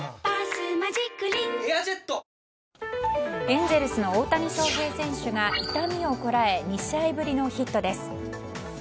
エンゼルスの大谷翔平選手が痛みをこらえ２試合ぶりのヒットです。